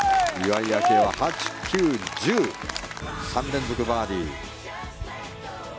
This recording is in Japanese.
愛は８、９、１０３連続バーディー。